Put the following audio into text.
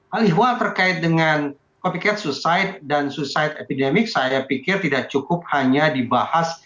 hal ihwa terkait dengan copycate suicide dan suicide epidemic saya pikir tidak cukup hanya dibahas